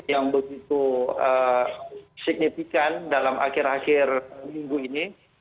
yang begitu signifikan dalam akhir akhir minggu ini